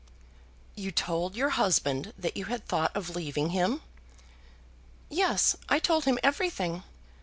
"You told your husband that you had thought of leaving him?" "Yes; I told him everything.